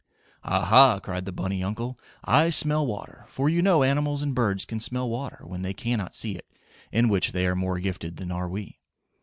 "Ah, ha!" cried the bunny uncle, "I smell water!" for you know animals and birds can smell water when they cannot see it, in which they are more gifted than are we.